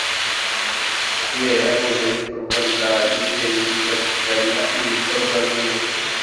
kubera ihuzabikorwa ridahagije zigateganya ibikorwa bimwe.